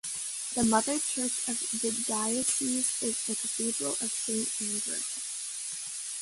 The mother church of the diocese is the Cathedral of Saint Andrew.